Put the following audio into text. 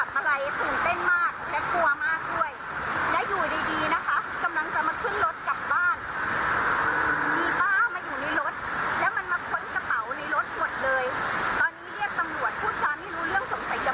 ตอนนี้เรียกตำรวจพูดจาไม่รู้เรื่องสงสัยจะ